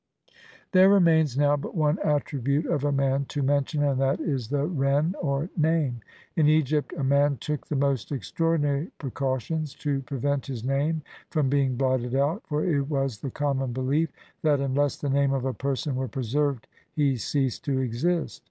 XC INTRODUCTION. There remains now but one attribute of a man to mention, and that is the ren or name ; in Egypt a man took the most extraordinary precautions to pre vent his name from being blotted out, for it was the common belief that unless the name of a person were preserved he ceased to exist.